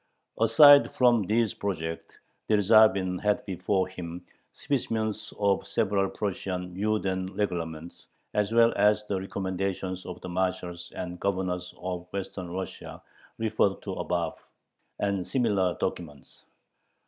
Aside from these projects, Dyerzhavin had before him specimens of several Prussian Juden Reglements, as well as the recommendations of the marshals and governors of Western Russia referred to above, and similar documents.